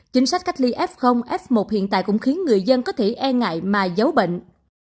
chính sách cách ly f f một hiện tại cũng khiến người dân có thể e ngại mà giấu bệnh